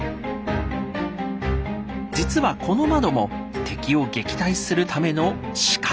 実はこの窓も敵を撃退するための仕掛け。